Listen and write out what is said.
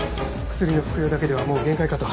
薬の服用だけではもう限界かと。